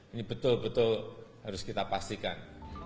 ini betul betul harus kita pastikan